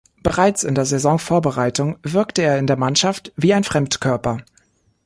Bereits in der Saisonvorbereitung wirkte er in der Mannschaft wie ein Fremdkörper.